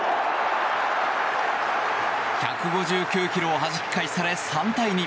１５９ｋｍをはじき返され３対２。